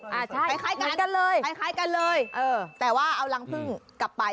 ไปคล้ายกันเลยไปคล้ายกันเลยแต่ว่าเอารังพึ่งกลับไป